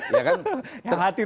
yang hati terhiris ya